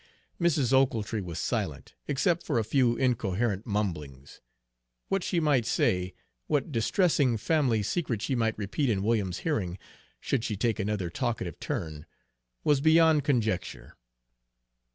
Mrs. Ochiltree was silent, except for a few incoherent mumblings. What she might say, what distressing family secret she might repeat in William's hearing, should she take another talkative turn, was beyond conjecture.